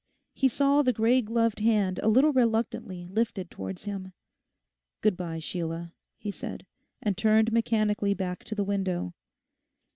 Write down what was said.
He saw the grey gloved hand a little reluctantly lifted towards him. 'Good bye, Sheila,' he said, and turned mechanically back to the window.